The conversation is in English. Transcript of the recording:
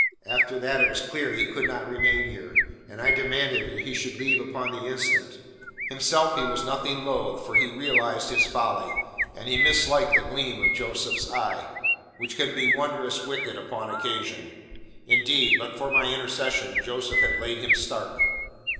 After that it was clear he could not remain here, and I demanded that he should leave upon the instant. Himself he was nothing loath, for he realized his folly, and he misliked the gleam of Joseph's eye which can be wondrous wicked upon occasion. Indeed, but for my intercession Joseph had laid him stark."